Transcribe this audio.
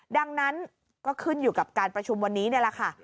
ดังนั้นก็ขึ้นอยู่กับการประชุมวันนี้นี่แหละค่ะ